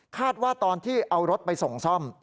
ว่าตอนที่เอารถไปส่งซ่อม